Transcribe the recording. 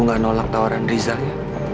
nggak nolak tawaran rizal ya